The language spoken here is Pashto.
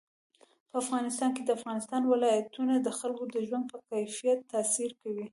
په افغانستان کې د افغانستان ولايتونه د خلکو د ژوند په کیفیت تاثیر کوي.